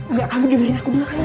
aulia kamu diberi aku dulu